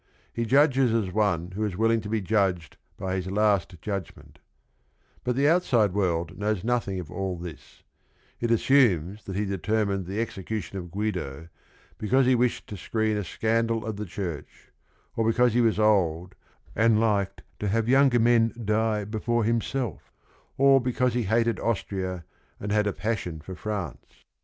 He judges as one who is willing to be judged by his last judg ment. But the outside world knows nothing of all this. It imniTT'* f thnt he dp t ft rm i n H t he exe cution 6f~Guido because he wishud lu aeceen a. scandal <of"the church, of because he was old and liked to have younger men die before himself, or because he hated Austria and had a passion for France.